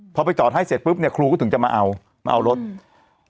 พอไปจอดให้เสร็จปุ๊บเนี้ยครูก็ถึงจะมาเอามาเอารถอืม